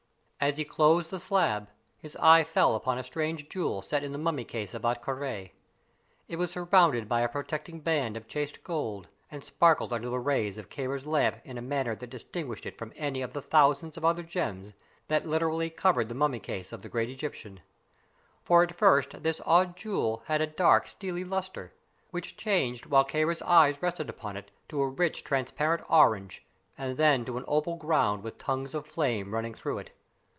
As he closed the slab, his eye fell upon a strange jewel set in the mummy case of Ahtka Rā. It was surrounded by a protecting band of chased gold, and sparkled under the rays of Kāra's lamp in a manner that distinguished it from any of the thousands of other gems that literally covered the mummy case of the great Egyptian; for at first this odd jewel had a dark steely lustre, which changed while Kāra's eyes rested upon it to a rich transparent orange, and then to an opal ground with tongues of flame running through it.